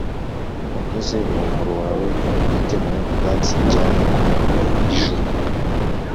untize uwo muhoro wawe nitemere ubwatsi njyane ku ijuru,